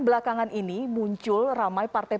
belakangan ini muncul ramai partai